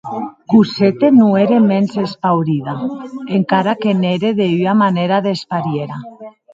Cosette non ère mens espaurida, encara que n’ère de ua manèra desparièra.